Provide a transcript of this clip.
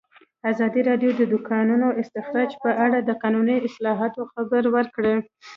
ازادي راډیو د د کانونو استخراج په اړه د قانوني اصلاحاتو خبر ورکړی.